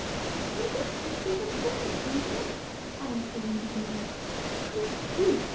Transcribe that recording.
"But he went in to save a boy, uncle," Alice said indignantly. "Pooh, pooh!"